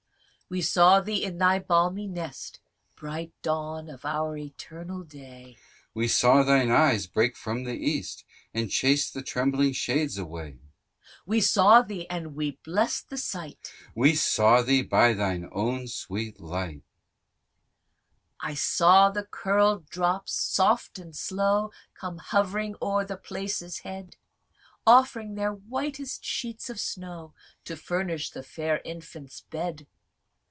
Both. We saw thee in thy balmy nest, Bright dawn of our eternal day; We saw thine eyes break from the east, And chase the trembling shades away: We saw thee (and we blest the sight) We saw thee by thine own sweet light. Tityrus. I saw the curl'd drops, soft and slow Come hovering o'er the place's head, Offring their whitest sheets of snow, To furnish the fair infant's bed.